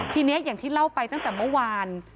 ทีนี้อย่างที่เล่าไปตั้งแต่เมื่อวาน